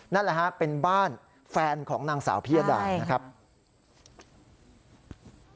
นี่เช่นเชื่อมเกลียวกับเงินให้กับอันดดละขาด